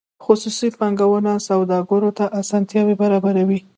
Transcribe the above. خصوصي بانکونه سوداګرو ته اسانتیاوې برابروي